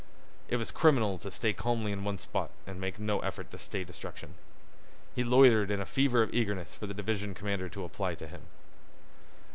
It was criminal to stay calmly in one spot and make no effort to stay destruction. He loitered in a fever of eagerness for the division commander to apply to him.